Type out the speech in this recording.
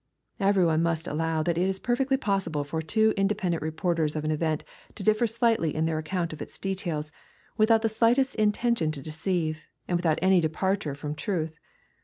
Every one must allow that it is perfectly possible for two inde pendent reporters of an event to differ slightly in their account of its details, without the slightest intention to deceive, and without any departure from truth.